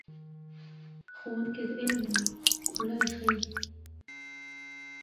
ښوونکي د علم لارې ښیي.